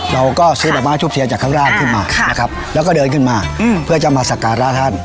เราก็ซื้อดอกไม้ทูบเทียนจากข้างล่างขึ้นมานะครับแล้วก็เดินขึ้นมาเพื่อจะมาสักการะท่าน